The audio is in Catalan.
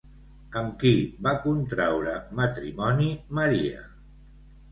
Amb qui va contraure matrimoni Maria?